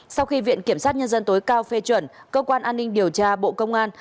sau khi viện kiểm sát nhân dân tối cao phê chuẩn cơ quan an ninh điều tra bộ công an